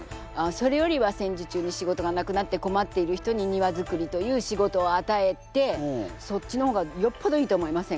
それよりは戦時中に仕事がなくなってこまっている人に庭づくりという仕事をあたえてそっちのほうがよっぽどいいと思いませんか？